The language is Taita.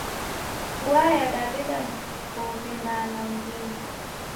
Vua yadareda wubinana m'mbinyi.